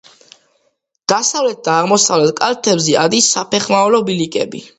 დასავლეთ და აღმოსავლეთ კალთებზე ადის საფეხმავლო ბილიკები.